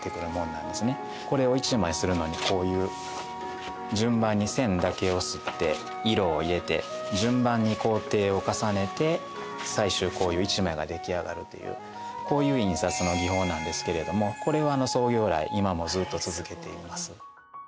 これを１枚摺るのにこういう順番に線だけを摺って色を入れて順番に工程を重ねて最終こういう１枚が出来上がるというこういう印刷の技法なんですけれどもこれを創業以来今もずっと続けています。